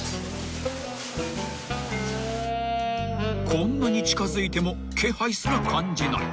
［こんなに近づいても気配すら感じない］